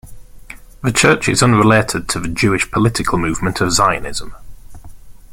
The church is unrelated to the Jewish political movement of Zionism.